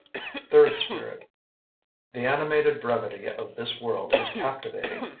Third Spirit The animated brevity Of this world is captivating!